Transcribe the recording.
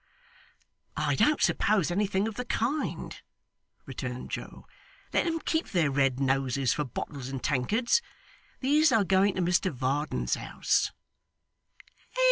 'I don't suppose anything of the kind,' returned Joe. 'Let them keep their red noses for bottles and tankards. These are going to Mr Varden's house.